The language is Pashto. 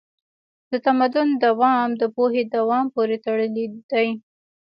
د تمدن دوام د پوهې دوام پورې تړلی دی.